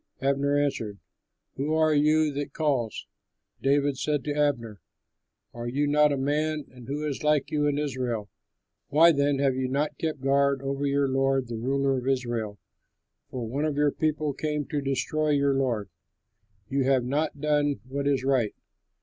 Abner answered, "Who are you that calls?" David said to Abner, "Are you not a man, and who is like you in Israel? Why then have you not kept guard over your lord the ruler of Israel? For one of the people came to destroy your lord. You have not done what is right.